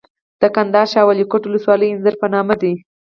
د کندهار شاولیکوټ ولسوالۍ انځر په نام دي.